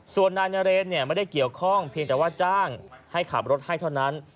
ส่วนนายนเรนไม่ได้เกี่ยวข้องเพียงแต่ว่าจ้างให้ขับรถให้เท่านั้น